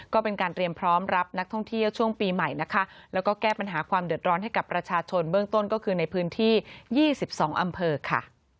ก็เป็นการเตรียมพร้อมรับนักท่องเที่ยวช่วงปีใหม่นะคะแล้วก็แก้ปัญหาความเดือดร้อนให้กับประชาชนเบื้องต้นก็คือในพื้นที่๒๒อำเภอค่ะ